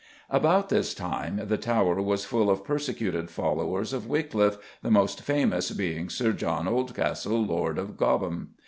About this time the Tower was full of persecuted followers of Wycliffe, the most famous being Sir John Oldcastle, Lord Cobham.